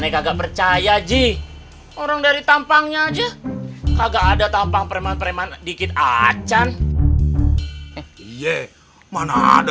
kagak percaya ji orang dari tampangnya aja kagak ada tampang kreman kreman dikit achan iye mana ada